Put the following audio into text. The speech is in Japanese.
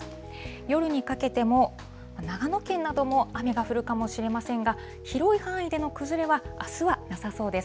夜にかけても長野県なども雨が降るかもしれませんが、広い範囲での崩れは、あすはなさそうです。